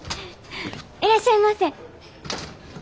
いらっしゃいませ。